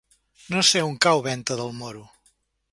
No sé on cau Venta del Moro.